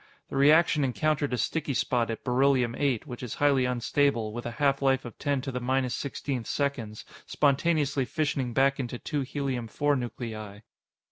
The reaction encountered a sticky spot at Beryllium 8, which is highly unstable, with a half life of ten to the minus sixteenth seconds, spontaneously fissioning back into two Helium 4 nuclei.